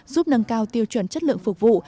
giúp nâng cao tiêu chuẩn chất lượng phục vụ